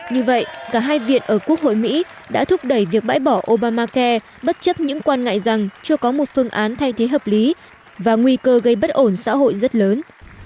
như vậy cả hai viện ở quốc hội mỹ đã thúc đẩy việc bãi bỏ obamacai bất chấp những quan ngại rằng chưa có một phương án thay thế hợp lý và nguy cơ gây bất ổn xã hội rất lớn